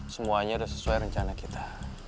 semuanya sudah sesuai rencana kita